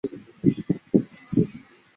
状况只会越来越糟糕